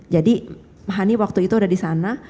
jadi hani waktu itu ada di sana